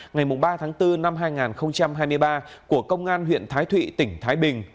ngày ba tháng bốn năm hai nghìn hai mươi ba của công an huyện thái thụy tỉnh thái bình